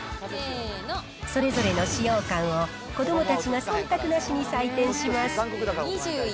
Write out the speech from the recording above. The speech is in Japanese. それぞれの使用感を子どもたちがそんたくなしに採点します。